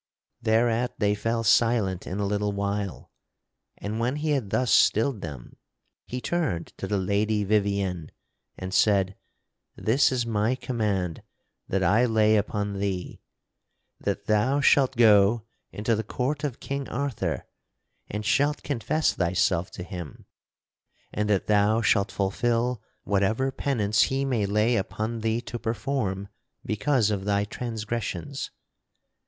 Thereat they fell silent in a little while, and when he had thus stilled them, he turned to the Lady Vivien and said: "This is my command that I lay upon thee: that thou shalt go into the court of King Arthur and shalt confess thyself to him and that thou shalt fulfil whatever penance he may lay upon thee to perform because of thy transgressions.